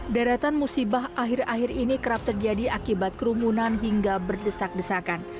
daratan musibah akhir akhir ini kerap terjadi akibat kerumunan hingga berdesak desakan